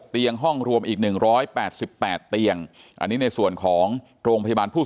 เตียงห้องรวมอีก๑๘๘เตียงอันนี้ในส่วนของโรงพยาบาลผู้